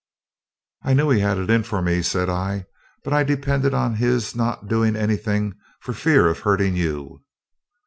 'I knew he had it in for me,' said I; 'but I depended on his not doing anything for fear of hurting you.'